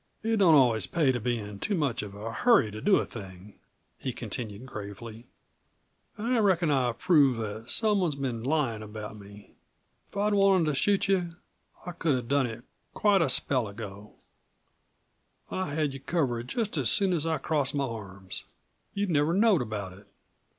"It don't always pay to be in too much of a hurry to do a thing," he continued gravely. "An' I reckon I've proved that someone's been lying about me. If I'd wanted to shoot you I could have done it quite a spell ago I had you covered just as soon as I crossed my arms. You'd never knowed about it.